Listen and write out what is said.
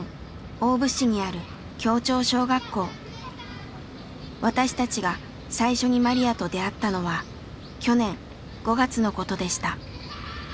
大府市にある私たちが最初にマリヤと出会ったのは去年５月のことでした。